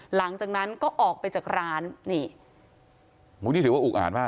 หลังจากนั้นก็ออกไปจากร้านนี่อุ้ยนี่ถือว่าอุกอ่านมาก